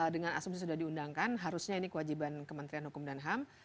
dengan asumsi sudah diundangkan harusnya ini kewajiban kementerian hukum dan ham